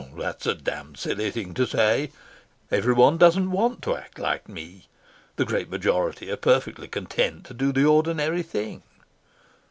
"That's a damned silly thing to say. Everyone doesn't want to act like me. The great majority are perfectly content to do the ordinary thing."